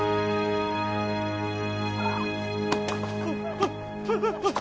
あっ。